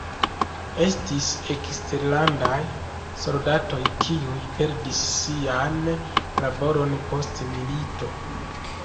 Estis eksterlandaj soldatoj, kiuj perdis sian laboron post milito.